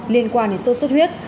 liên quan đến sốt xuất huyết